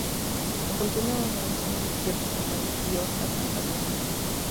Contiene una isla de cierto tamaño y otras tantas menores.